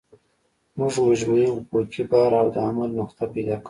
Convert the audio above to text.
موږ مجموعي افقي بار او د عمل نقطه پیدا کوو